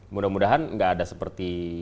mudah mudahan nggak ada seperti